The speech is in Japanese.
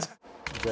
じゃあ